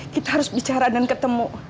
kita harus bicara dan ketemu